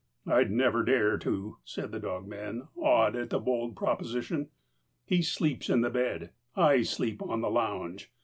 "I'd never dare to," said the dogman, awed at the bold proposition. "He sleeps in the bed, I sleep on a lounge.